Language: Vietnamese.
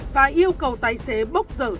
và yêu cầu tài xế bốc rửa sắt